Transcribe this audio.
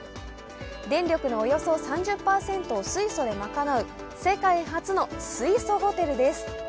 電力のおよそ３０％を水素で賄う世界初の水素ホテルです。